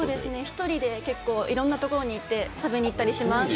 １人で結構いろんなところに行って食べたりしてます。